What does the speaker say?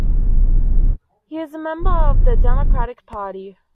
He is a member of the Democratic Party.